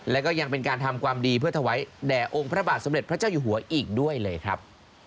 และก็ยังเป็นการทำความดีเพื่อถวายแด่องค์พระบาทสมเด็จพระเจ้าอยู่หัวอีกด้วยเลยครับ